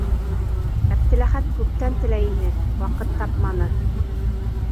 Әптеләхәт күптән теләй ине - ваҡыт тапманы.